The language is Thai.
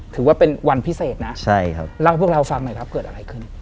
ถือว่าเป็นวันพิเศษนะเล่าให้พวกเราฟังหน่อยครับเกิดอะไรขึ้น